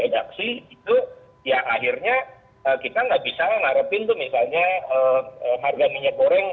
jadi itu ya akhirnya kita nggak bisa mengharapkan tuh misalnya harga minyak goreng